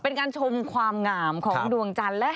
เป็นการชมความงามของดวงจันทร์